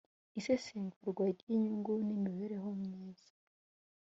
isesengura ry inyungu n imibereho myiza